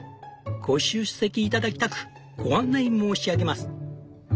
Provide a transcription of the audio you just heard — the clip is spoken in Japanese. ご出席頂きたくご案内申し上げます」。